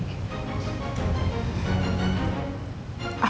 apakah b glaub datangin kamu